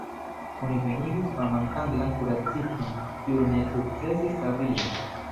Oni venigis faman anglan kuraciston, kiu ne sukcesis savi lin.